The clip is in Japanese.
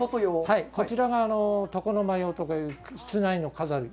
こちらが床の間用という室内の飾り。